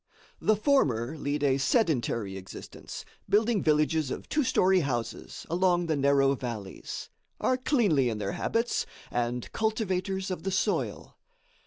The former lead a sedentary existence, building villages of two story houses along the narrow valleys, are cleanly in their habits, and cultivators of the soil.